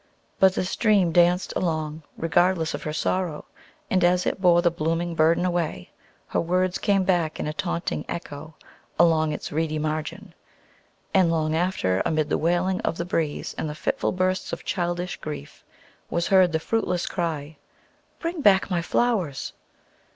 But the stream danced along, regardless of her sorrow; and as it bore the blooming burden away, her words came back in a taunting echo, along its reedy margin. And long after, amid the wailing of the breeze and the fitful bursts of childish grief, was heard the fruitless cry, "Bring back my flowers!"